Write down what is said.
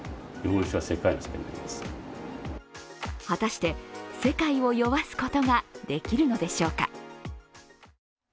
果たして、世界を酔わすことができるのでしょうか。